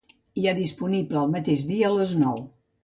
Hi ha disponible el mateix dia a les nou.